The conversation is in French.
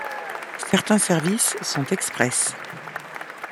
Certains services sont Express.